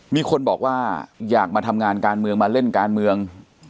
มีคนบอกว่าอยากมาทำงานการเมืองมาเล่นการเมือง